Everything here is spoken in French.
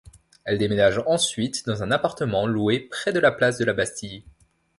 Elle déménage ensuite dans un appartement loué près de la place de la Bastille.